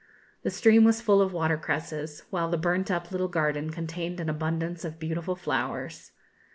The stream was full of water cresses, while the burnt up little garden contained an abundance of beautiful flowers.